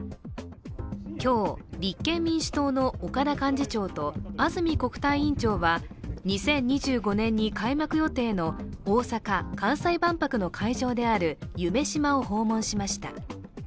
今日、立憲民主党の岡田幹事長と安住国対委員長は２０２５年に開幕予定の大阪・関西万博の会場である夢洲を訪問しました。